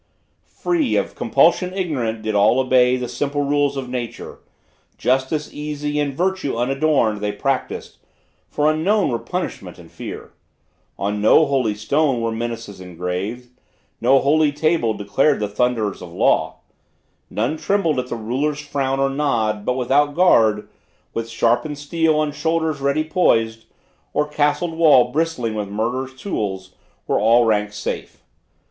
Free, of compulsion ignorant, did all obey The simple rules of nature. Justice easy And virtue unadorned they practised; for unknown Were punishment and fear. On no holy stone Were menaces engraved: no holy table Declared the thunders of the law. None trembled At the ruler's frown or nod: but, without guard, With sharpened steel on shoulder ready poised, Or castled wall bristling with murder's tools, Were all ranks safe.